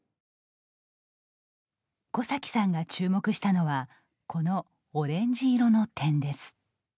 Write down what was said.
小崎さんが注目したのはこのオレンジ色の点です。